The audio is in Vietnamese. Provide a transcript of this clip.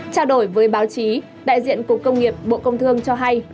trao đổi với báo chí đại diện cục công nghiệp bộ công thương cho hay